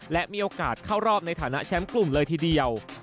และมีโอกาสเข้ารอบในฐานะแชมป์กลุ่มเลยทีเดียว